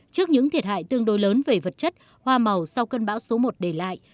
trước những thiệt hại tương đối lớn về vật chất hoa màu sau cơn bão số một để lại